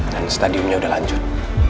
dan stadium nya udah lanjut